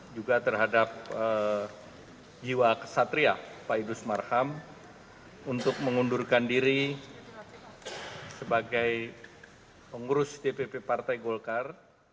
juga terhadap jiwa kesatria pak idrus marham untuk mengundurkan diri sebagai pengurus dpp partai golkar